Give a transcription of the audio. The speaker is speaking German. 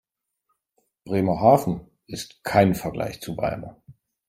Bremerhaven ist kein Vergleich zu Weimar